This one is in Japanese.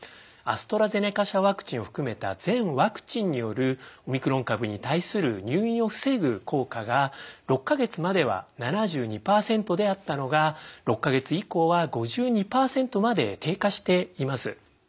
アストラゼネカ社ワクチンを含めた全ワクチンによるオミクロン株に対する入院を防ぐ効果が６か月までは７２％であったのが６か月以降は５２％まで低下しています。